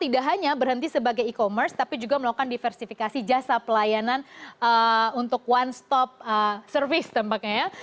tidak hanya berhenti sebagai e commerce tapi juga melakukan diversifikasi jasa pelayanan untuk one stop service tempatnya ya